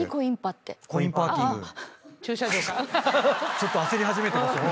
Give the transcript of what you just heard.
ちょっと焦り始めてますよね。